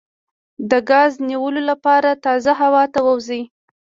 د ګاز د نیولو لپاره تازه هوا ته ووځئ